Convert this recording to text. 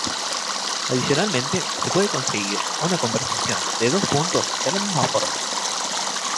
Adicionalmente, se puede conseguir una conversión de dos puntos de la misma forma.